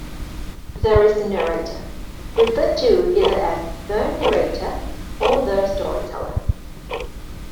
There is a Narrator, referred to either as "the Narrator" or "the Storyteller.